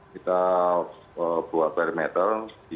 kita buat perimeter